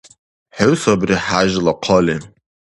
ХӀу сабри хӀяжла хъали.